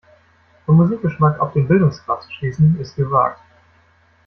Vom Musikgeschmack auf den Bildungsgrad zu schließen, ist gewagt.